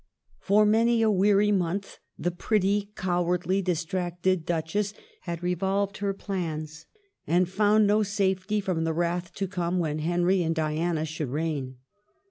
For many a weary month the pretty, cowardly, distracted Duchess had revolved her plans, and found no safety from the wrath to come, when Henry and Diana should reign.